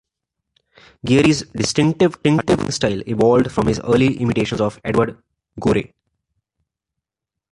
Geary's distinctive cartooning style evolved from his early imitations of Edward Gorey.